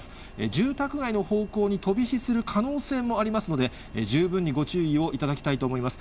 住宅街の方向に飛び火する可能性もありますので、十分にご注意をいただきたいと思います。